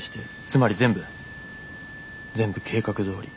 つまり全部全部計画どおり。